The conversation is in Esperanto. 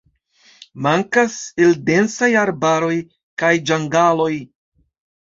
Mankas el densaj arbaroj kaj ĝangaloj.